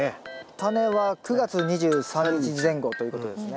タネは９月２３日前後ということですね。